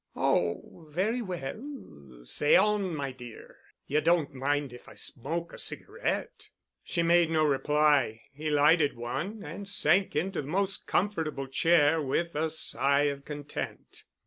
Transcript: "Oh, very well,—say on, my dear. You don't mind if I smoke a cigarette?" As she made no reply he lighted one and sank into the most comfortable chair with a sigh of content.